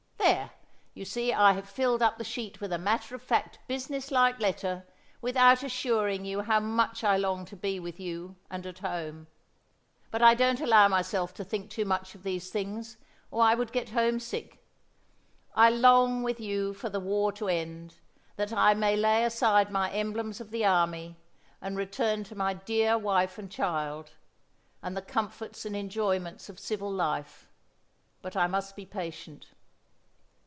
There you see I have filled up the sheet with a matter of fact business like letter, without assuring you how much I long to be with you and at home. But I don't allow myself to think too much of these things or I would get homesick. I long with you for the war to end, that I may lay aside my emblems of the army, and return to my dear wife and child, and the comforts and enjoyments of civil life, but I must be patient."